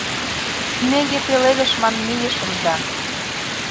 Снеге пеледыш ман мийышым да